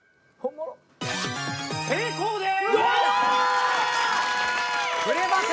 成功です！